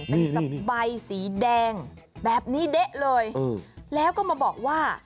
เป็นสะใบสีแดงแบบนี้เด๊ะเลยแล้วก็มาบอกว่า